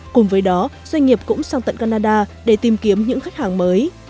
cùng với đó doanh nghiệp cũng sang tận canada để tìm kiếm những khách hàng mới